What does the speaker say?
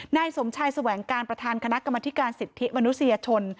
นายสมชายแสวงการประธานคณะกรรมธิการสิทธิมนุษยชน